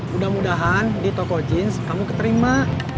mudah mudahan di toko jeans kamu keterima